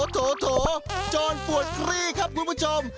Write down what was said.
โถจรปวดคลี่ครับคุณผู้ชม